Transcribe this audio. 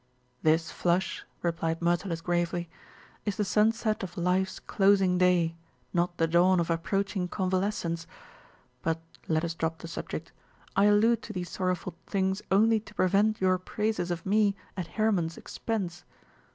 "This flush," replied Myrtilus gravely, "is the sunset of life's closing day, not the dawn of approaching convalescence. But let us drop the subject. I allude to these sorrowful things only to prevent your praises of me at Hermon's expense.